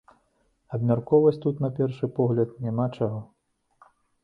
Абмяркоўваць тут, на першы погляд, няма чаго.